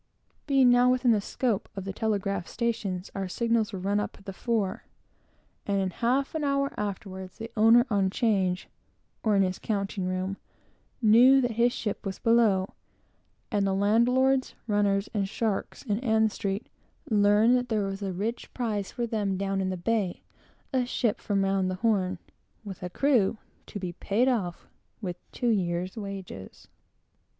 Being now within the scope of the telegraph stations, our signals were run up at the fore, and in half an hour afterwards, the owner on 'change, or in his counting room, knew that his ship was below; and the landlords, runners, and sharks in Ann street learned that there was a rich prize for them down in the bay: a ship from round the Horn, with a crew to be paid off with two years' wages.